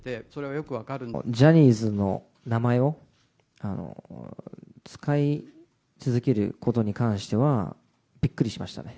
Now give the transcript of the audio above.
ジャニーズの名前を使い続けることに関してはびっくりしましたね。